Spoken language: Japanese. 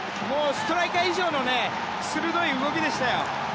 ストライカー以上の鋭い動きでしたよ。